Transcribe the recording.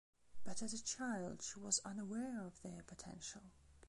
But as a child she was unaware of their potential.